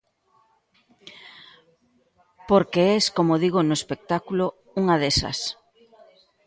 Porque es, como digo no espectáculo, unha desas.